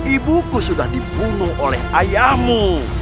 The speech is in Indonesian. ibuku sudah dibunuh oleh ayahmu